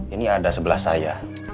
ini ada sebelah saya